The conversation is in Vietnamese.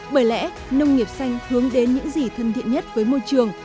bởi lẽ nông nghiệp xanh hướng đến những gì thân thiện nhất với môi trường